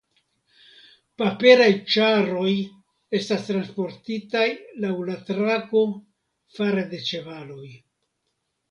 Paperaj ĉaroj estas transportitaj laŭ la trako fare de ĉevaloj.